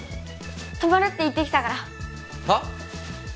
泊まるって言ってきたからはっ？